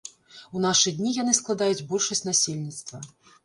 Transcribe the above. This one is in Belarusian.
У нашы дні яны складаюць большасць насельніцтва.